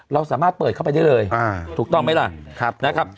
เราสามารถเปิดเข้าไปได้เลยถูกต้องไหมล่ะนะครับ